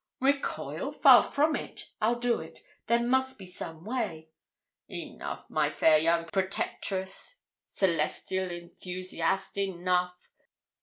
'Recoil! Far from it. I'll do it. There must be some way.' 'Enough, my fair young protectress celestial enthusiast, enough.